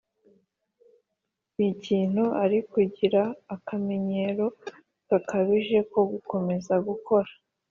n ikintu ari ukugira akamenyero gakabije ko gukomeza gukora